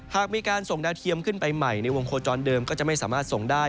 หากมีการส่งดาวเทียมขึ้นไปใหม่ในวงโคจรเดิมก็จะไม่สามารถส่งได้